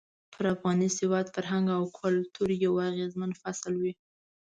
پر افغاني سواد، فرهنګ او کلتور يو اغېزمن فصل وي.